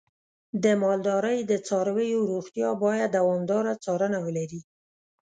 د مالدارۍ د څارویو روغتیا باید دوامداره څارنه ولري.